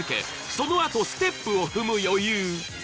そのあとステップを踏む余裕